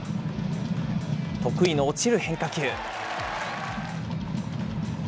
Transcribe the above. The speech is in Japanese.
得意の落ちる変化球。